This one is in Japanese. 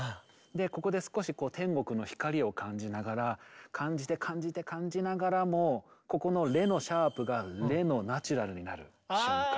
ここで少し天国の光を感じながら感じて感じて感じながらもここのレのシャープがレのナチュラルになる瞬間。